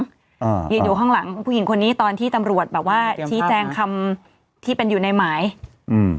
อ่ายืนอยู่ข้างหลังผู้หญิงคนนี้ตอนที่ตำรวจแบบว่าชี้แจงคำที่เป็นอยู่ในหมายอืม